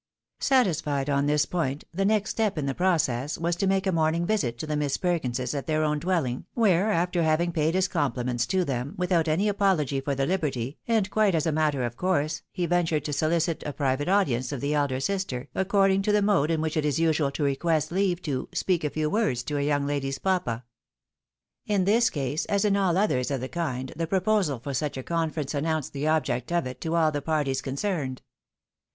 Satisfied on this point, the next step in the process was to make a morning visit to the Miss Perkinses at their own dwell ing, where, after having paid his compliments to them, without any apology for Ijjie liberty, and quite as a matter of course, he ventured to solicit a private audience of the elder sister, according to the mode in which it is usual to request leave to " speak a few words to a young lady's papa." In this case, as ia all others of the kind, the proposal for THE LANGUAGE OF LOVE. 288 such a conference announced the object of it to all the parties concerned.